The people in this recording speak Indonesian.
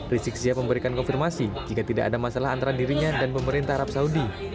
rizik siap memberikan konfirmasi jika tidak ada masalah antara dirinya dan pemerintah arab saudi